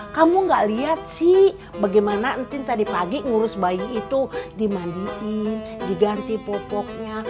kamu gak lihat sih bagaimana entin tadi pagi ngurus bayi itu dimandiin diganti pupuknya